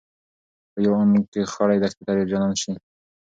په يو آن کې خړې دښتې ترې جنان شي